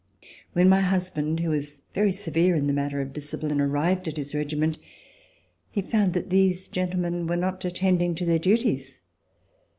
When my husband, who was very severe in the matter of discipline, arrived at his regiment, he found that these gentlemen were not attending to their duties.